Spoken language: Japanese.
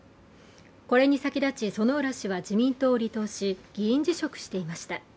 これに先立ち、薗浦氏は自民党を離党し、議員辞職していました。